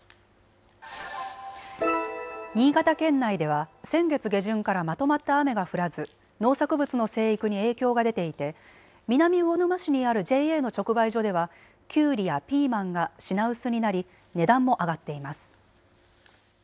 新潟県内では先月下旬からまとまった雨が降らず農作物の生育に影響が出ていて南魚沼市にあるＪＡの直売所ではきゅうりやピーマンが品薄になり値段も上がっています。